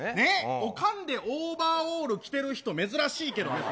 おかんでオーバーオール着てる人、珍しいけどね。